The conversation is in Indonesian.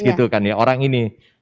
gitu kan ya orang ini